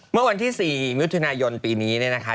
เมื่อวันที่๔มิถุนายนปีนี้เนี่ยนะคะ